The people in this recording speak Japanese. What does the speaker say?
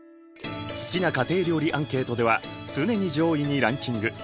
好きな家庭料理アンケートでは常に上位にランキング。